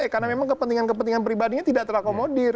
karena memang kepentingan kepentingan pribadinya tidak terakomodir